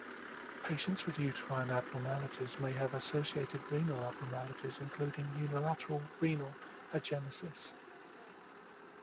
Patients with uterine abnormalities may have associated renal abnormalities including unilateral renal agenesis.